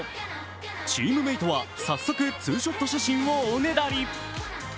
チームメートは早速ツーショット写真をおねだり。